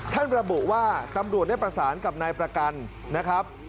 ระบุว่าตำรวจได้ประสานกับนายประกันนะครับ